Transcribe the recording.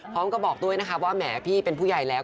พร้อมกับบอกด้วยนะคะว่าแหมพี่เป็นผู้ใหญ่แล้ว